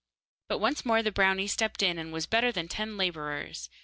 But once more the brownie stepped in, and was better than ten labourers.